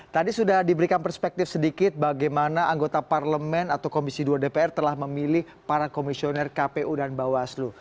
tadi sudah diberikan perspektif sedikit bagaimana anggota parlemen atau komisi dua dpr telah memilih para komisioner kpu dan bawaslu